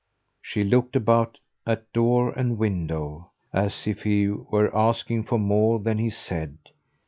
She looked about, at door and window, as if he were asking for more than he said.